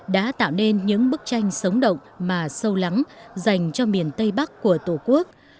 đã tạo nên những bức tranh sống động mà sâu lắng dành cho miền tây bắc của tổ quốc